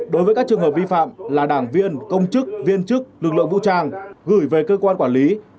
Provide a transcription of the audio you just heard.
đối với các trường hợp vi phạm là đảng viên công chức viên chức lực lượng vũ trang gửi về cơ quan quản lý